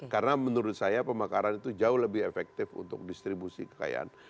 karena menurut saya pemekaran itu jauh lebih efektif untuk distribusi kekayaan